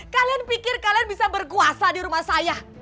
kalian pikir kalian bisa berkuasa di rumah saya